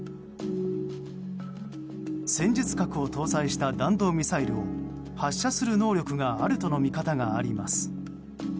戦術核を搭載した弾道ミサイルを発射する能力があるとの見方があります。